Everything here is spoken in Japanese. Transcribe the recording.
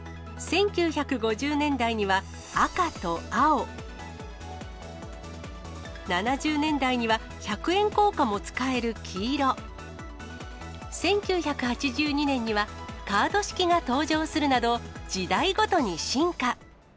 １９５０年代には、赤と青、７０年代には百円硬貨も使える黄色、１９８２年には、カード式が登場するなど、時代ごとに進化。